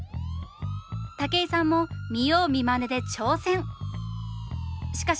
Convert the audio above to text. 武井さんも見よう見まねで挑戦！